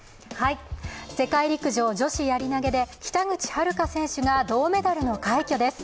世界陸上、女子やり投で北口榛花選手が銅メダルの快挙です。